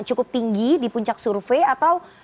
cukup tinggi di puncak survei atau